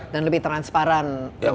dan lebih transparan